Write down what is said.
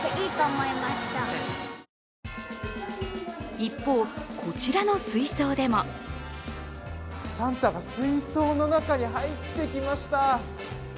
一方、こちらの水槽でもサンタが水槽の中に入ってきました。